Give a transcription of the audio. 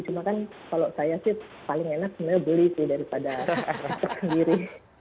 cuma kan kalau saya sih paling enak sebenarnya beli sih daripada rasa sendiri